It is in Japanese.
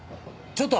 ちょっと！